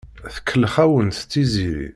Tkellex-awent Tiziri.